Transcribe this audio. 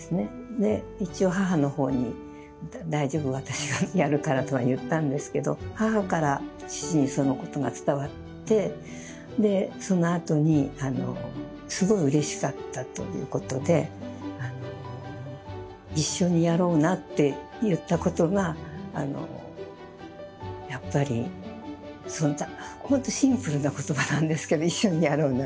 で一応母の方に「大丈夫私がやるから」とは言ったんですけど母から父にそのことが伝わってでそのあとにすごいうれしかったということで「一緒にやろうな」って言ったことがやっぱりほんとシンプルな言葉なんですけど「一緒にやろうな」